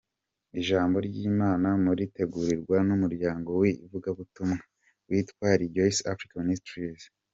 Ijambo ry’Imana muritegurirwa n’umuryango w’ivugabutumwa witwa Rejoice Africa Ministries.